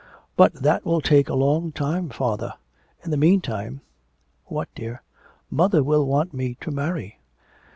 'But that will take a long time, father; in the meantime ' 'What, dear?' 'Mother will want me to marry.'